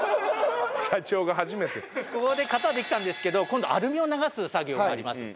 ここで型はできたんですけど今度はアルミを流す作業があります。